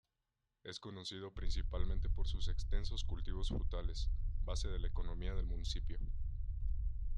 Es conocido principalmente por sus extensos cultivos frutales, base de la economía del Municipio.